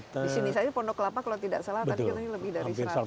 di sini saja pondok kelapa kalau tidak salah tadi kita lebih dari seratus